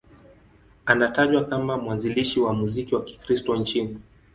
Anatajwa kama mwanzilishi wa muziki wa Kikristo nchini.